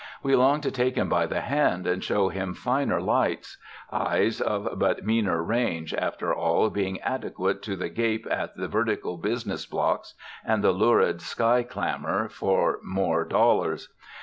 We long to take him by the hand and show him finer lights eyes of but meaner range, after all, being adequate to the gape at the vertical business blocks and the lurid sky clamour for more dollars.